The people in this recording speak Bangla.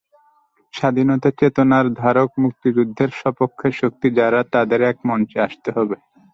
স্বাধীনতার চেতনার ধারক মুক্তিযুদ্ধের সপক্ষের শক্তি যারা, তাদের একমঞ্চে আসতে হবে।